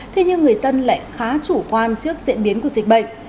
thế nhưng người dân lại khá chủ quan trước diễn biến của dịch bệnh